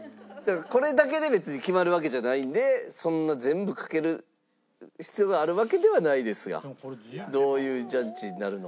これだけで別に決まるわけじゃないんでそんな全部かける必要があるわけではないですがどういうジャッジになるのか。